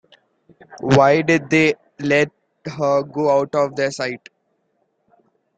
Why did they ever let her go out of their sight?